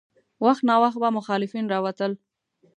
وخت ناوخت به مخالفین راوتل.